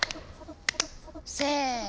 せの。